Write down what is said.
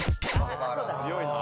強いな。